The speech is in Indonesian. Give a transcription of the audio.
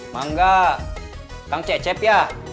mangga kang cecep ya